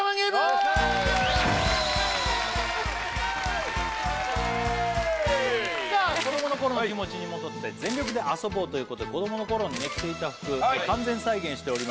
イエーイよいしょさあ子どもの頃の気持ちに戻って全力で遊ぼうということで子どもの頃にね着ていた服完全再現しておりますね